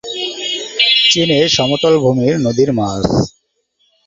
চীনে সমতল ভূমির নদীর মাছ।